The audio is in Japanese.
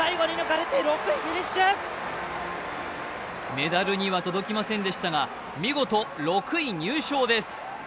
メダルには届きませんでしたが、見事６位入賞です。